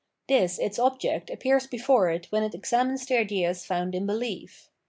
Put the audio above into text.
This its object appears before it when it examines the ideas found in' behef.